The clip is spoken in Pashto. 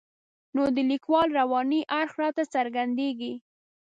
نو د لیکوال رواني اړخ راته څرګندېږي.